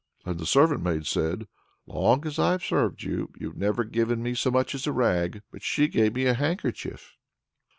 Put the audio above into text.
And the servant maid said, "Long as I've served you, you've never given me so much as a rag; but she gave me a handkerchief."